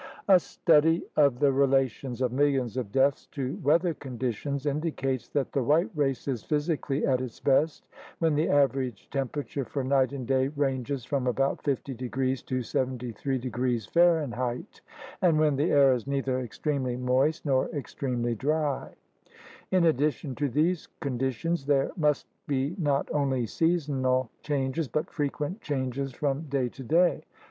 A study 8 THE RED MAN'S CONTINENT of the relations of millions of deaths to weather conditions indicates that the white race is physi cally at its best when the average temperature for night and day ranges from about 50° to 73° F. and when the air is neither extremely moist nor ex tremely dry. In addition to these conditions there must be not only seasonal changes, but frequent changes from day to day.